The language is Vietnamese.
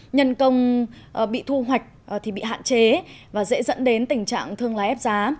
nhân công bị thu hoạch thì bị hạn chế và dễ dẫn đến tình trạng thương lái ép giá